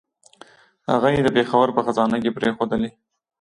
هغه یې د پېښور په خزانه کې پرېښودلې.